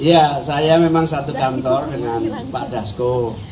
ya saya memang satu kantor dengan pak dasko